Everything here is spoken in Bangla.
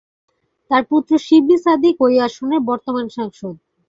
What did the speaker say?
তার পুত্র শিবলী সাদিক ঐ আসনের বর্তমান সাংসদ।